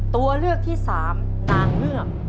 ตัวเลือกที่สามนางเงือก